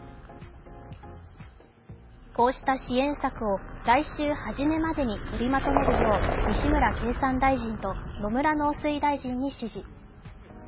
こうした支援策を来週はじめまでにとりまとめるよう西村経産大臣と野村農水大臣に指示